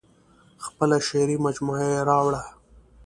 خپله شعري مجموعه یې راوړه.